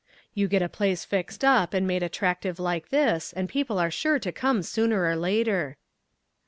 You get a place fixed up and made attractive like this and people are sure to come sooner or later."